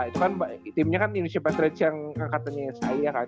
itu kan timnya kan indonesia patriage yang katanya saya kan